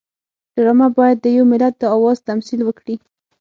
ډرامه باید د یو ملت د آواز تمثیل وکړي